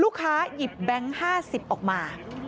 ลูกค้าหยิบแบงค์๕๐ออกมา